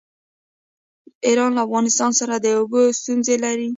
ایران له افغانستان سره د اوبو ستونزه لري.